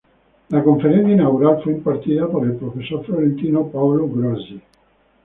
La conferencia inaugural fue impartida por el profesor florentino Paolo Grossi.